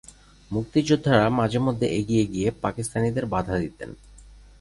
মুক্তিযোদ্ধারা মাঝেমধ্যে এগিয়ে গিয়ে পাকিস্তানিদের বাধা দিতেন।